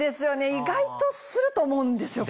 意外とすると思うんですよ